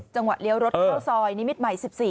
เลี้ยวรถเข้าซอยนิมิตรใหม่๑๔